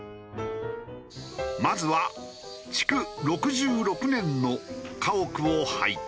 まずは築６６年の家屋を拝見。